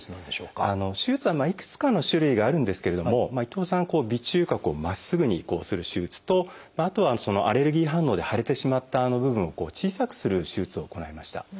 手術はいくつかの種類があるんですけれども伊藤さん鼻中隔をまっすぐにする手術とあとはアレルギー反応で腫れてしまった部分を小さくする手術を行いました。